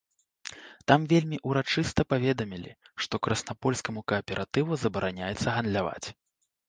Там вельмі ўрачыста паведамілі, што краснапольскаму кааператыву забараняецца гандляваць.